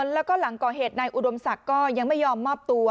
แล้วก็หลังก่อเหตุนายอุดมศักดิ์ก็ยังไม่ยอมมอบตัว